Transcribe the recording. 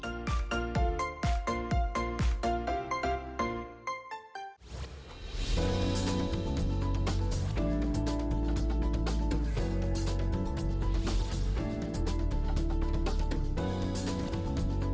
pertama yang saya ingin cakap adalah